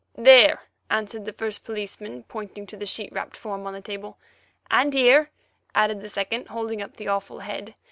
"There!" answered the first policeman, pointing to the sheet wrapped form on the table. "And here!" added the second, holding up the awful head.